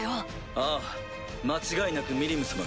ああ間違いなくミリム様が。